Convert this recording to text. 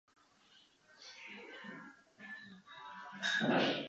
魔王に占拠された東京を取り戻す。それがストーリーだった。